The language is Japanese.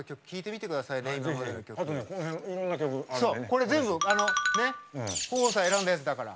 これ全部あのね豊豊さん選んだやつだから。